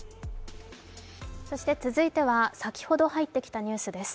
続いては先ほど入ってきたニュースです。